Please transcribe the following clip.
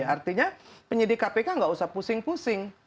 artinya penyidik kpk nggak usah pusing pusing